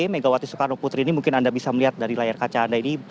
megawati soekarno putri ini mungkin anda bisa melihat dari layar kaca anda ini